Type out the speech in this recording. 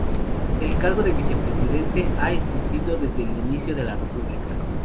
El cargo de vicepresidente ha existido desde el inicio de la república.